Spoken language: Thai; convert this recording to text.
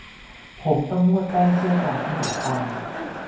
ผมต้องนวดแป้งเพื่อทำขนมปัง